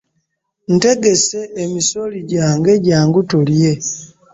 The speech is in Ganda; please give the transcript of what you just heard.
Ntegese emisooli gyange jangu tulye.